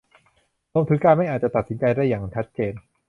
รวมถึงการไม่อาจจะตัดสินใจได้ชัดเจน